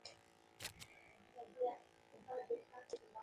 Como excepción, en este mate no interviene el rey.